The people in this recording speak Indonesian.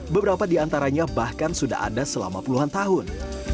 beberapa di antaranya bahkan sudah ada selama puluhan tahun